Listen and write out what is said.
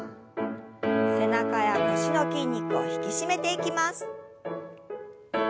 背中や腰の筋肉を引き締めていきます。